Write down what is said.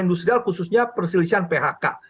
industrial khususnya perselisihan phk